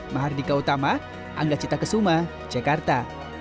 mahardika utama anggacita kesuma jakarta